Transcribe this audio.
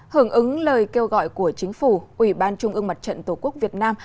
hưởng ứng lời kêu gọi của chính phủ ủy ban trung ương mặt trận tổ quốc việt nam